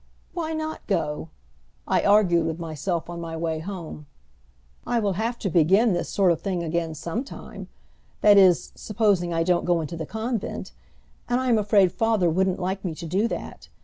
"Why not go?" I argued with myself on my way home. "I will have to begin this sort of thing again sometime that is, supposing I don't go into the convent, and I am afraid father wouldn't like me to do that.